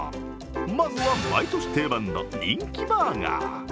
まずは毎年定番の人気バーガー。